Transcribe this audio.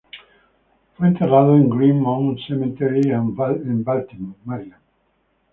Fue enterrado en Green Mount Cemetery en Baltimore, Maryland.